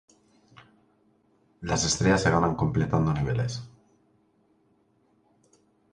Las estrellas se ganan completando niveles.